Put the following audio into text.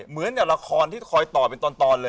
เหมือนกับละครที่คอยต่อเป็นตอนเลย